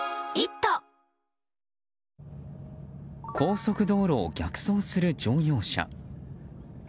高速道路を逆走する乗用車。